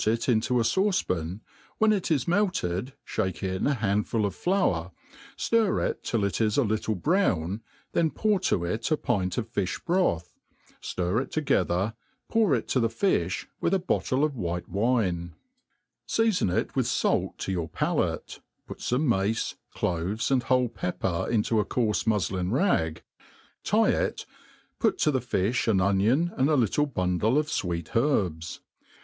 iUntp a fauce pan, when it i$ melted fliake in a handful of flour, ftir it till it is a little brown, then poiur to it a pint of fifh broth, fiir it together, pour it to the fi(k, whh a hottle of white^wine,' Seafon it with fait to your palace^ put fome mace, cloves, and wbole pepper into a coarfe qnufi'in rag, tie it, put to the fiQx an onion, and a little bundle of /weet herbs.